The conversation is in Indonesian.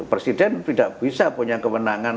presiden tidak bisa punya kewenangan